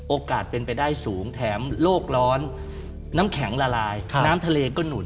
โอกาสเป็นไปได้สูงแถมโลกร้อนน้ำแข็งละลายน้ำทะเลก็หนุน